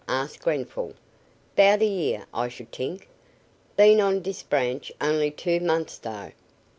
asked Grenfall. "'Bout a year, I should t'ink. Been on dis branch only two months, dough."